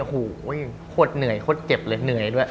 โอ้โหโคตรเหนื่อยโคตรเจ็บเลยเหนื่อยด้วย